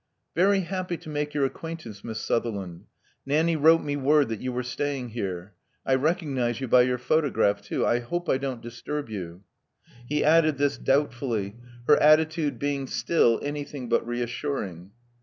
Very happy to make your acquaintance. Miss Sutherland. Nanny wrote me word that you were staying here. I recognize you by your photograph too. I hope I don't disturb you." He added this doubtfully, her attitude being still anything but reassuring.